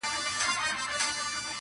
نغمه راغبرګه کړله-